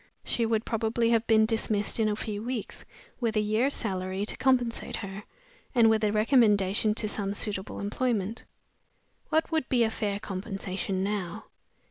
She would probably have been dismissed in a few weeks, with a year's salary to compensate her, and with a recommendation to some suitable employment. What would be a fair compensation now?